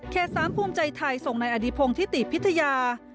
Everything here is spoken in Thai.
เขต๓ภูมิใจไทยทรงใต้อดีพงศ์ที่ติพิธยา